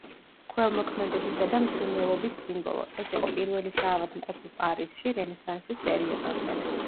ქველმოქმედებისა და მზრუნველობის სიმბოლო, ეს იყო პირველი საავადმყოფო პარიზში რენესანსის პერიოდამდე.